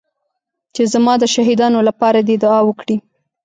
چې زما د شهيدانو لپاره دې دعا وکړي.